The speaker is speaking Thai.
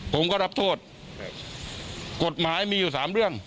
ผมก็รับโทษกฎหมายมีอยู่๓เรื่อง